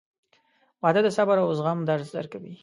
• واده د صبر او زغم درس ورکوي.